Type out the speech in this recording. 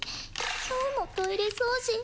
今日もトイレ掃除